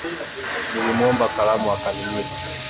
Nilimwomba kalamu akaninyima